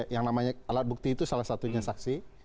yang namanya alat bukti itu salah satunya saksi